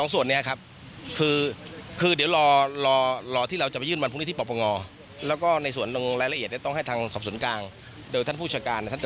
ส่วนการตรวจสอบเงิน